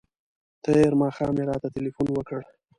تېر ماښام یې راته تلیفون وکړ.